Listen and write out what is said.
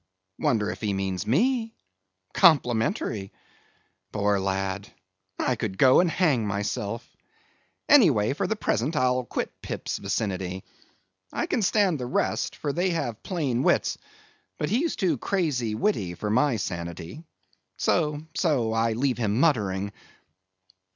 "Wonder if he means me?—complimentary!—poor lad!—I could go hang myself. Any way, for the present, I'll quit Pip's vicinity. I can stand the rest, for they have plain wits; but he's too crazy witty for my sanity. So, so, I leave him muttering."